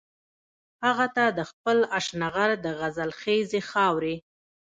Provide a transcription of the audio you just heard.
هغه ته د خپل اشنغر د غزل خيزې خاورې